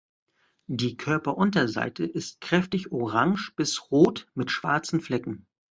Die Körperunterseite ist kräftig orange bis rot mit schwarzen Flecken.